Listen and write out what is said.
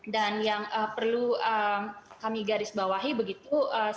dan yang perlu kami garisbawahi begitu